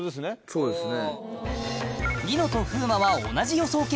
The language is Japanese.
そうですね。